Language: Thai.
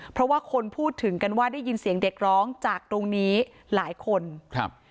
เพราะว่าคนพูดถึงกันว่าได้ยินเสียงเด็กร้องจากตรงนี้หลายคนครับ